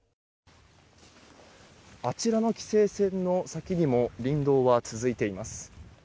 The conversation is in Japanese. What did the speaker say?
あちらの規制線の先にも林道は続いています。